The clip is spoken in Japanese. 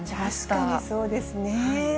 確かにそうですね。